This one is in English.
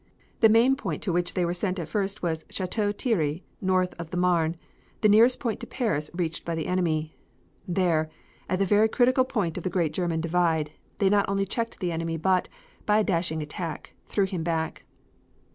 The main point to which they were sent at first was Chateau Thierry, north of the Marne, the nearest point to Paris reached by the enemy. There, at the very critical point of the great German Drive, they not only checked the enemy but, by a dashing attack, threw him back.